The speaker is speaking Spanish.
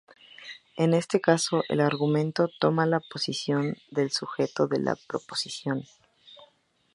En este caso, el argumento toma la posición del sujeto de la proposición.